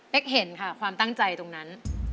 เห็นค่ะความตั้งใจตรงนั้น